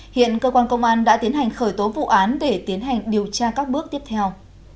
hiện cơ quan công an đã tiến hành khởi tố vụ án để tiến hành điều tra các bước tiếp theo